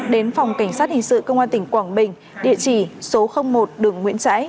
đến phòng cảnh sát hình sự công an tỉnh quảng bình địa chỉ số một đường nguyễn trãi